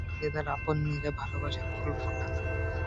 নিজেদের আপন নীড়ে ভালোবাসার ফুল ফোটান।